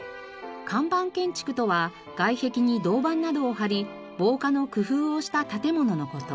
看板建築とは外壁に銅板などを貼り防火の工夫をした建物の事。